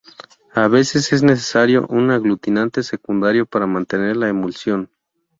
A veces es necesario un aglutinante secundario para mantener la emulsión.